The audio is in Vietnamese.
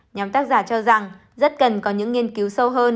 nhóm tác giả cho rằng rất cần có những nghiên cứu sâu hơn